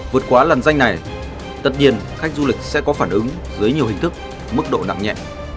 vượt qua lần danh này tật nhiên khách du lịch sẽ có phản ứng dưới nhiều hình thức mức độ nặng nhẹ